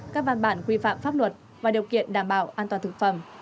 các văn bản quy phạm pháp luật và điều kiện đảm bảo an toàn thực phẩm